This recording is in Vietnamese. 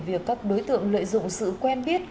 việc các đối tượng lợi dụng sự quen biết